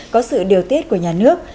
có sự điều tiết của nhà nước